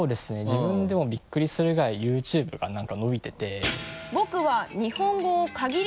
自分でもびっくりするぐらいＹｏｕＴｕｂｅが何か伸びてて。